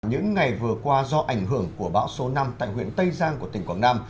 những ngày vừa qua do ảnh hưởng của bão số năm tại huyện tây giang của tỉnh quảng nam